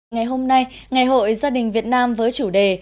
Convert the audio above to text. ngày hôm nay ngày hội gia đình việt nam với chủ đề